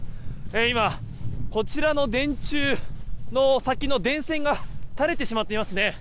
今、こちらの電柱の先の電線が垂れてしまっていますね。